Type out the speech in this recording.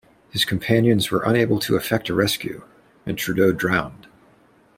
His companions were unable to effect a rescue, and Trudeau drowned.